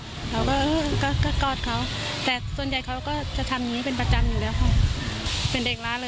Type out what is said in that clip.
เราก็กอดเขาแต่ส่วนใหญ่เขาก็จะทำอย่างนี้เป็นประจำอยู่แล้ว